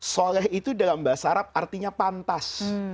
soleh itu dalam bahasa arab artinya pantas